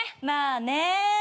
まあね。